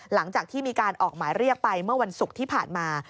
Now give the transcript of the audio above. หลังจากที่มีการออกหมายเรียกไปเมื่อวันศุกร์ที่ผ่านมา